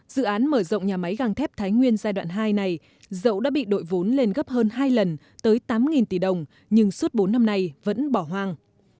dự án mở rộng nhà máy găng thép thái nguyên giai đoạn hai này dẫu đã bị đội vốn lên gấp hơn hai lần tới tám tỷ đồng nhưng suốt bốn năm nay vẫn bỏ hoang